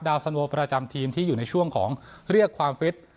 สันโนประจำทีมที่อยู่ในช่วงของเรียกความฟิต